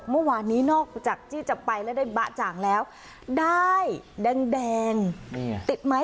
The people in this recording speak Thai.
โชคเมื่อวานนี้นอกจากจี้จะไปแล้วได้บะจางแล้วได้แดงแดงนี่ติดไม้